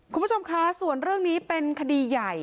คุณผู้ชมคะส่วนเรื่องนี้เป็นคดีใหญ่